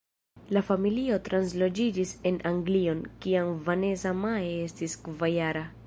La familio transloĝiĝis en Anglion, kiam Vanessa-Mae estis kvarjara.